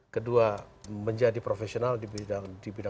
kedua menjadi profesional di bidang bisnis ekonomi dan lain lain